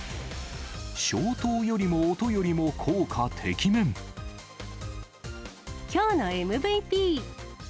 消灯よりも音よりも効果てききょうのＭＶＰ。